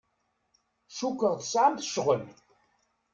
Cukkeɣ tesɛamt ccɣel.